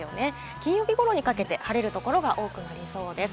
金曜日頃にかけて晴れる所が多くなりそうです。